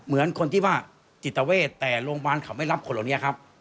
เหมือนคนที่ว่าจิตเวทแต่โรงพยาบาลเขาไม่รับคนเหล่านี้ครับ